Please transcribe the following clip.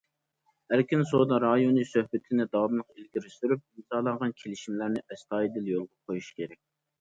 ئەركىن سودا رايونى سۆھبىتىنى داۋاملىق ئىلگىرى سۈرۈپ، ئىمزالانغان كېلىشىملەرنى ئەستايىدىل يولغا قويۇش كېرەك.